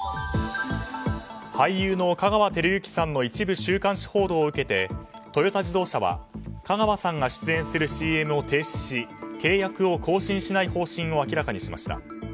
俳優の香川照之さんの一部週刊誌報道を受けてトヨタ自動車は香川さんが出演するＣＭを停止し契約を更新しない方針を明らかにしました。